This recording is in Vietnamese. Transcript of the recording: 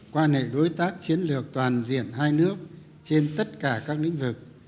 quan hệ đối tác chiến lược toàn diện hai nước trên tất cả các lĩnh vực